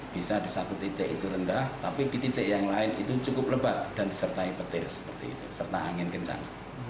bisa di satu titik itu rendah tapi di titik yang lain itu cukup lebat dan disertai petir seperti itu serta angin kencang